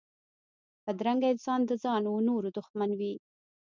بدرنګه انسان د ځان و نورو دښمن وي